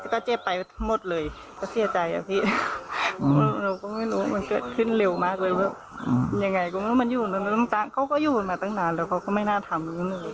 เขาก็อยู่ตรงนั้นมาตั้งนานเลยเขาก็ไม่น่าทำ